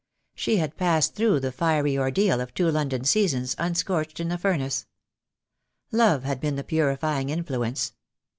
She had passed through the fiery ordeal of two London seasons unscorched in the furnace. Love had been the purifying influence.